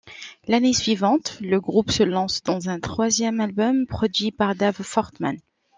L'année suivante, le groupe se lance dans un troisième album, produit par Dave Fortman.